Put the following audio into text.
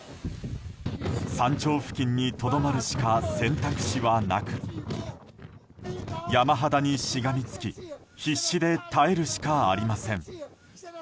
山頂付近にとどまるしか選択肢はなく山肌にしがみつき必死で耐えるしかありません。